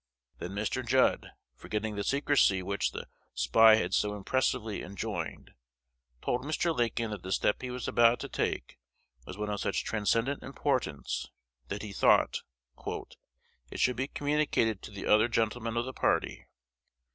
Then Mr. Judd, forgetting the secrecy which the spy had so impressively enjoined, told Mr. Lincoln that the step he was about to take was one of such transcendent importance, that he thought "it should be communicated to the other gentlemen of the party."